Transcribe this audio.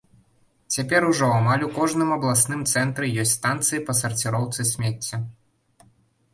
Цяпер ужо амаль у кожным абласным цэнтры ёсць станцыі па сарціроўцы смецця.